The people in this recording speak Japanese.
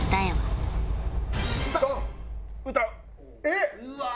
えっ！